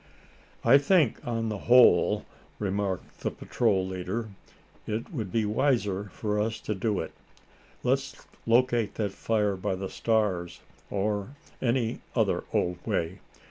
"I think on the whole," remarked the patrol leader, "it would be wiser for us to do it. Let's locate that fire by the stars, or any other old way.